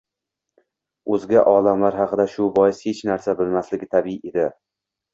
O‘zga olamlar haqida shu bois hech narsa bilmasligi tabiiy edi.